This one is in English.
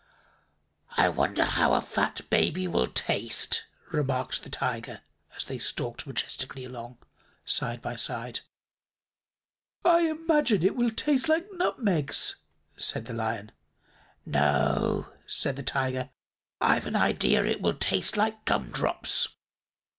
"I wonder how a fat baby will taste," remarked the Tiger, as they stalked majestically along, side by side. "I imagine it will taste like nutmegs," said the Lion. "No," said the Tiger, "I've an idea it will taste like gumdrops."